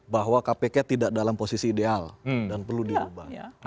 bahwa kpk tidak dalam posisi ideal dan perlu dirubah